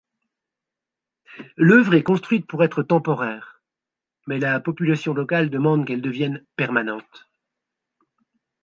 L'œuvre est construite pour être temporaire, mais la population locale demande qu'elle devienne permanente.